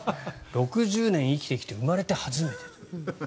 ６０年生きてきて生まれて初めてという。